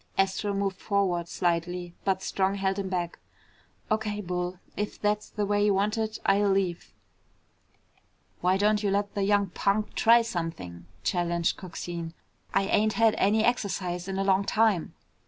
Astro moved forward slightly, but Strong held him back. "O.K., Bull. If that's the way you want it, I'll leave." "Why don't you let the young punk try something?" challenged Coxine. "I ain't had any exercise in a long time."